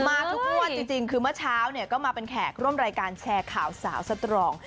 มาทุกงวดจริงคือเมื่อเช้าเนี่ยก็มาเป็นแขกร่วมรายการแชร์ข่าวสาวสตรอง